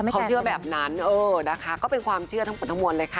เขาเชื่อแบบนั้นเออนะคะก็เป็นความเชื่อทั้งหมดทั้งมวลเลยค่ะ